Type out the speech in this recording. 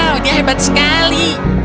wow dia hebat sekali